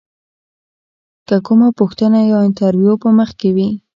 که کومه پوښتنه یا انتریو په مخ کې وي.